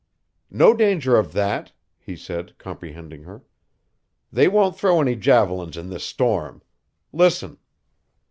"No danger of that," he said, comprehending her. "They won't throw any javelins in this storm. Listen!"